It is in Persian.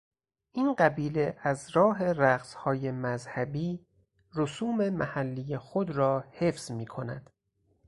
این قبیله از راه رقصهای مذهبی رسوم محلی خود را حفظ میکند.